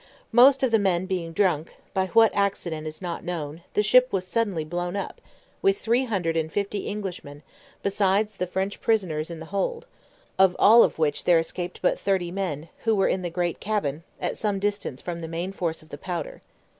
Most of the men being drunk, by what accident is not known, the ship suddenly was blown up, with three hundred and fifty Englishmen, besides the French prisoners in the hold; of all which there escaped but thirty men, who were in the great cabin, at some distance from the main force of the powder.